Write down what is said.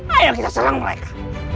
ayo kita serang mereka